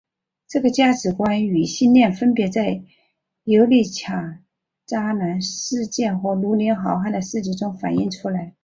这个价值观与信念分别在尤里卡栅栏事件和绿林好汉的事迹中反映出来。